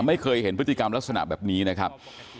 ไม่เคยเห็นพฤติกรรมลักษณะแบบนี้นะครับ